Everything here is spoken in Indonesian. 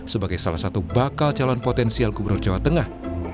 sebagai salah satu bakal calon potensial gubernur jawa tengah